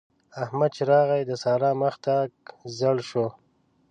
احمد چې راغی؛ د سارا مخ تک ژړ شو.